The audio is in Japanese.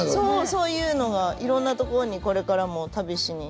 そういうのがいろんな所にこれからも旅しに。